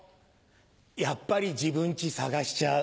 やっぱり自分家探しちゃう。